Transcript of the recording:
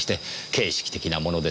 形式的なものですが。